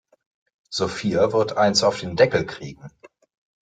Sophia wird eins auf den Deckel kriegen.